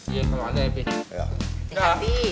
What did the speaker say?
iya selamat ya pih